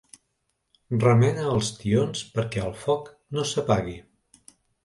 Remena els tions perquè el foc no s'apagui.